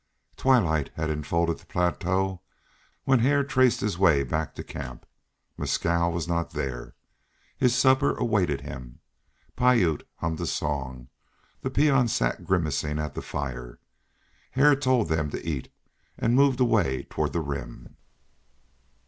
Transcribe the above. Twilight had enfolded the plateau when Hare traced his way back to camp. Mescal was not there. His supper awaited him; Piute hummed a song; the peon sat grimacing at the fire. Hare told them to eat, and moved away toward the rim.